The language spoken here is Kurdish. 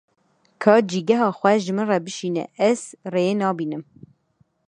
Ka cîgeha xwe ji min re bişîne, ez rêyê nabînim.